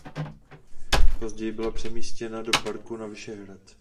Později byla přemístěna do parku na Vyšehrad.